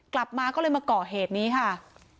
กลับมาก็เลยมาก่อเหตุนี้ค่ะ